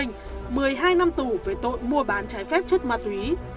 một mươi hai năm tù về tội mua bán trái phép chất ma túy